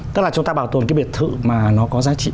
tức là chúng ta bảo tồn cái biệt thự mà nó có giá trị